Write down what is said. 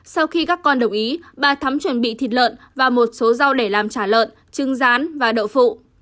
sau khi các con đồng ý bà thắm chuẩn bị thịt lợn và một số rau để làm trả lợn trứng rán và đậu phụ